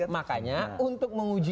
makanya untuk menguji